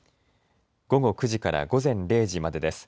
午後９時から午前０時までです。